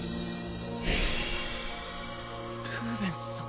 ルーベンスさん。